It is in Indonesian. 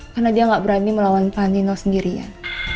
karena dia gak berani melawan pak nino sendirian